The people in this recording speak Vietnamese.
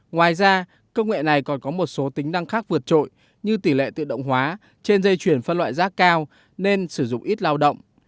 ngoài ra công nghệ này còn có một số tính năng khác vượt trội như tỷ lệ tự động hóa trên dây chuyển phân loại rác cao nên sử dụng ít lao động